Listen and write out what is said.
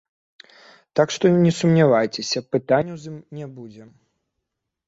Так што не сумнявайцеся, пытанняў з ім не будзе.